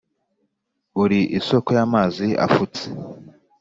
uri isoko y’amazi afutse,